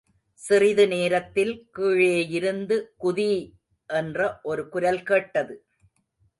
சிறிது நேரத்தில் கீழேயிருந்து குதி! என்ற ஒரு குரல் கேட்டது.